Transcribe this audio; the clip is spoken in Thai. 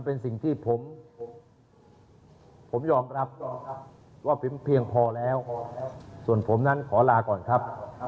ผมยอมรับพิ่งเพียงพอแล้วส่วนผมนั้นขอลาก่อนครับ